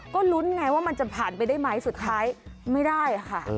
ก็ลุ้นไงว่ามันจะผ่านไปได้ไหมสุดท้ายไม่ได้ค่ะ